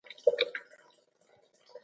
فخر رازي او علامه طباطبايي ته اشاره کوي.